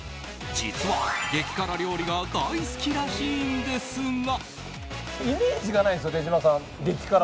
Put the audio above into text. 実は激辛料理が大好きらしいんですが。